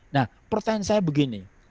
nah pertanyaan saya begini